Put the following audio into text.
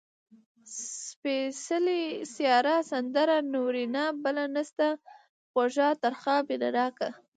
سپېڅلې ، سايره ، سندره، نورينه . بله نسته، خوږَه، ترخه . مينه ناکه